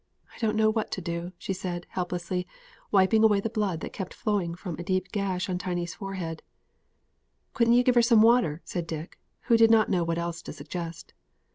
"I don't know what to do," she said, helplessly, wiping away the blood that kept flowing from a deep gash on Tiny's forehead. "Couldn't you give her some water?" said Dick, who did not know what else to suggest.